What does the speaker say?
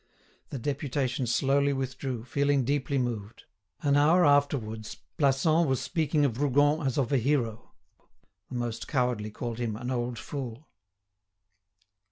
The deputation slowly withdrew, feeling deeply moved. An hour afterwards, Plassans was speaking of Rougon as of a hero; the most cowardly called him "an old fool."